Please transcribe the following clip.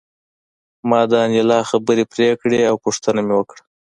ما د انیلا خبرې پرې کړې او پوښتنه مې وکړه